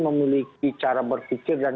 memiliki cara berpikir dan